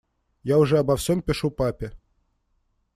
Я уже обо всем пишу папе.